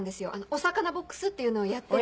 お魚ボックスっていうのをやって。